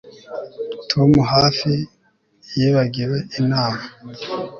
Tom hafi yibagiwe inama